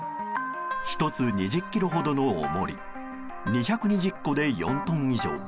１つ２０ｋｇほどの重り２２０個で４トン以上。